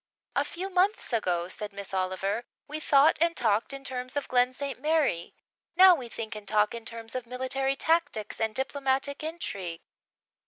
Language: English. "A few months ago," said Miss Oliver, "we thought and talked in terms of Glen St. Mary. Now, we think and talk in terms of military tactics and diplomatic intrigue."